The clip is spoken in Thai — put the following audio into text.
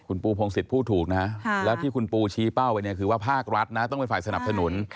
คุณปูพงศิษย์พูดถูกนะแล้วที่คุณปูชี้เป้าไปเนี่ยคือว่าภาครัฐนะต้องเป็นฝ่ายสนับสนุน